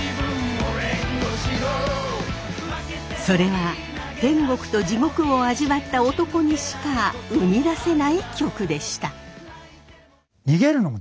それは天国と地獄を味わった男にしか生み出せない曲でした。